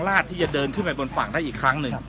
ที่จะเดินขึ้นไปบนฝั่งได้อีกครั้งหนึ่ง